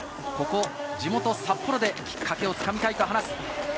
地元・札幌できっかけを掴みたいと話す。